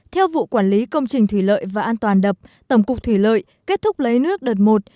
theo vụ quản lý công trình thủy lợi và an toàn đập tổng cục thủy lợi kết thúc lấy nước đợt một